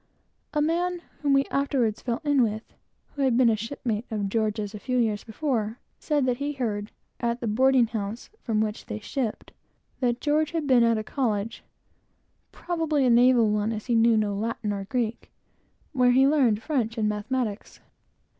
A man whom we afterwards fell in with, who had been a shipmate of George's a few years before, said that he heard at the boarding house from which they shipped, that George had been at college, (probably a naval one, as he knew no Latin or Greek,) where he learned French and mathematics.